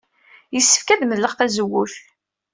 Yessefk ad medleɣ tazewwut?